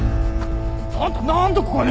あんたなんでここに！？